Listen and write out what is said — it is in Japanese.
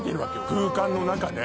空間の中で。